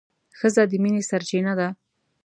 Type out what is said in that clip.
ښځه د مينې سرچينه ده